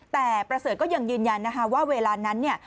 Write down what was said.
แต่ประเสริฐก็ยังยืนยันว่าเวลานั้น